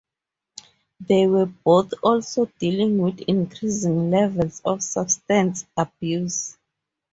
They were both also dealing with increasing levels of substance abuse.